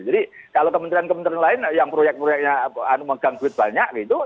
jadi kalau kementerian kementerian lain yang proyek proyeknya menggang duit banyak gitu